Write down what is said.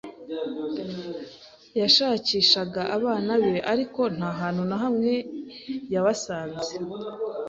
Yashakishaga abana be, ariko nta hantu na hamwe yabasanze.